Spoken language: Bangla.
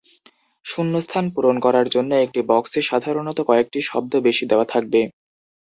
শূন্যস্থান পূরণ করার জন্য একটি বক্সে সাধারণত কয়েকটি শব্দ বেশি দেওয়া থাকবে।